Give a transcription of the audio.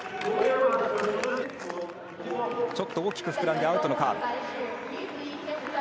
ちょっと大きく膨らんでアウトのカーブ。